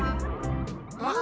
あっ。